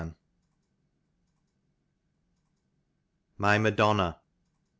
41 MY MADONNA.